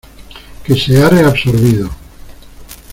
que se ha reabsorbido.